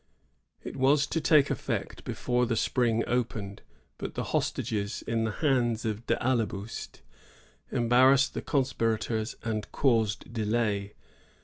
It was to take effect before the spring opened; but the hostages in the hands of d' Ailleboust embarrassed the conspirators and caused delay.